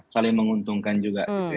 saling menguntungkan juga